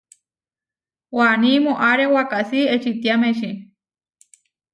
Waní moʼáre wakasí eʼčitiámeči.